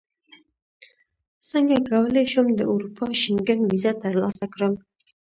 څنګه کولی شم د اروپا شینګن ویزه ترلاسه کړم